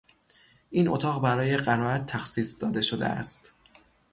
این اتاق برای قرائت تخصیص داده شده است.